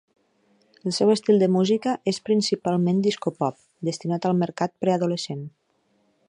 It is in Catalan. El seu estil de música és principalment disco-pop, destinat al mercat preadolescent.